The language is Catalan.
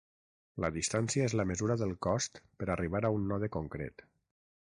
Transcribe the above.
La distància és la mesura del cost per arribar a un node concret.